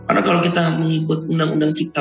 karena kalau kita mengikut undang undang cipta